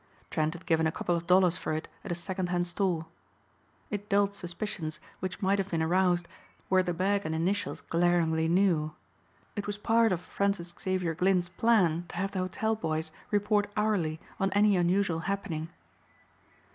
Trent had given a couple of dollars for it at a second hand store. It dulled suspicions which might have been aroused where the bag and initials glaringly new. It was part of Francis Xavier Glynn's plan to have the hotel boys report hourly on any unusual happening.